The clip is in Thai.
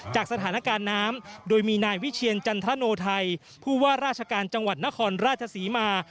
จากสถานการณ์น้ำโดยมีนายวิเชียรจันทรโนไทยผู้ว่าราชการจังหวัดนครราชศรีมา